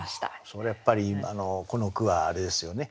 それやっぱり今のこの句はあれですよね